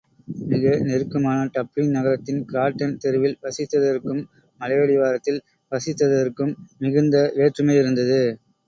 மிக நெருக்கமான டப்ளின் நகரத்தின் கிராட்டன் தெருவில் வசித்ததற்கும் மலையடிவாரத்தில் வசித்ததற்கும் மிகுந்த வேற்றுமை இருந்தது.